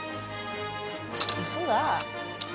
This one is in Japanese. うそだ。